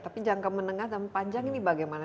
tapi jangka menengah dan panjang ini bagaimana